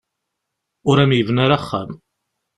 Ur am-yebni ara axxam.